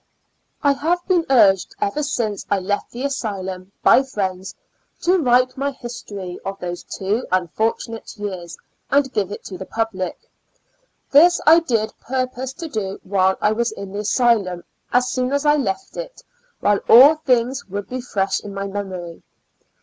I have been urged ever since I left the Asylum, by friends, to write my history of those two unfortunate years, and give it to the public. This I did purpose to do while I was in the asylum, as soon as I left it, while all things would be fresh in my memory.